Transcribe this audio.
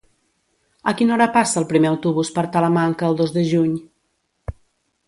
A quina hora passa el primer autobús per Talamanca el dos de juny?